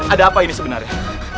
ada apa ini sebenarnya